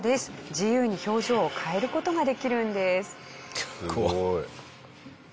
自由に表情を変える事ができるんです。